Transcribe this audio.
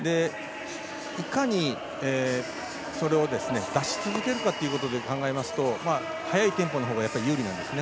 いかにそれを出し続けるかということで考えますと速いテンポのほうがやっぱり有利なんですね。